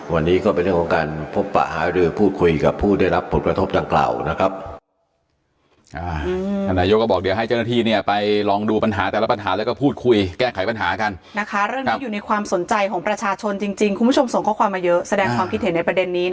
วันนี้ก็เป็นเรื่องของการพบปะหารือพูดคุยกับผู้ได้รับผลกระทบดังกล่าวนะครับ